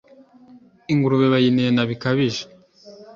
Ingurube bayinena bikabije,